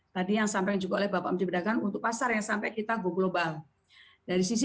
tadi yang disampaikan juga oleh pak menteri perdagangan untuk pasar yang lebih luas